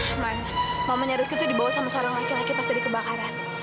aman mamanya rizky tuh dibawa sama seorang laki laki pas tadi kebakaran